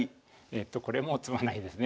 これもう詰まないですね。